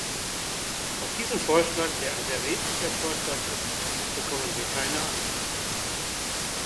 Auf diesen Vorschlag, der ein sehr redlicher Vorschlag ist, bekommen wir keine Antwort.